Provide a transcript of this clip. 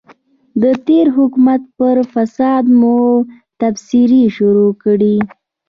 د تېر حکومت پر فساد مو تبصرې شروع کړې.